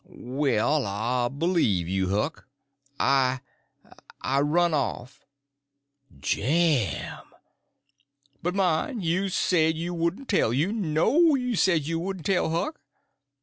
"Well, I b'lieve you, Huck. I—I run off." "Jim!" "But mind, you said you wouldn' tell—you know you said you wouldn' tell, Huck."